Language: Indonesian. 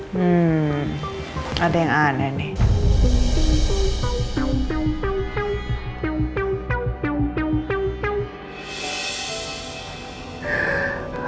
hmm ada yang aneh nih